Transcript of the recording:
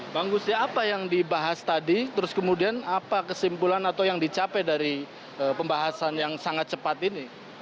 bang gusti apa yang dibahas tadi terus kemudian apa kesimpulan atau yang dicapai dari pembahasan yang sangat cepat ini